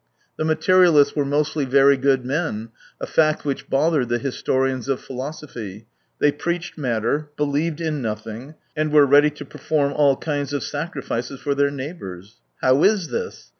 The materialists were mostly very good men — a fact which bothered the historians of philosophy. They preached Matter, believed in nothing, and were ready to perform all kinds of sacrifices for their neighbours. How is this